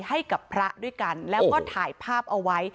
ให้กับพระด้วยกันแล้วก็ถ่ายภาพเอาไว้